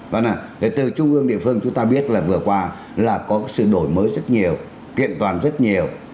và từ trung ương địa phương chúng ta biết là vừa qua là có sự đổi mới rất nhiều kiện toàn rất nhiều